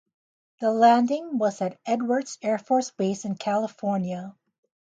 The landing was at Edwards Air Force Base in California.